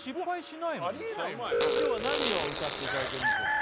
今日は何を歌っていただけるんでしょうか？